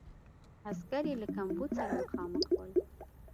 عسکر یې له کمبود سره مخامخ ول.